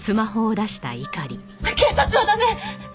警察は駄目！